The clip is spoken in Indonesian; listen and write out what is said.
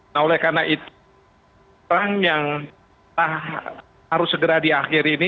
nah oleh karena itu perang yang harus segera diakhiri ini